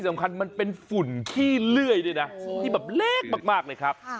สำคัญมันเป็นฝุ่นขี้เลื่อยด้วยนะที่แบบเล็กมากเลยครับ